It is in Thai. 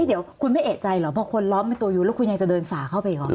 เดี๋ยวคุณไม่เอกใจเหรอพอคนล้อมเป็นตัวอยู่แล้วคุณยังจะเดินฝ่าเข้าไปอีกหรอ